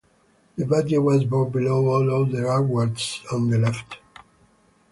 The badge was worn below all other awards on the left.